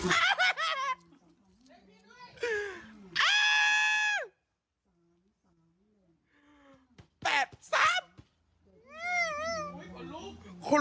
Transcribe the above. เห้ยโครลูก